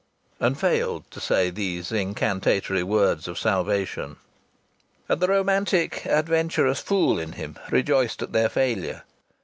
And failed to say these incantatory words of salvation! And the romantic, adventurous fool in him rejoiced at their failure.